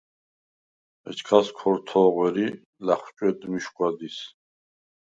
ეჩქას ქორთ’ო̄ღუ̂ერ ი ლა̈ხუ̂ჭუ̂ედ მიშგუ̂ა დის.